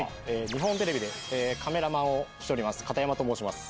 日本テレビでカメラマンをしております片山と申します。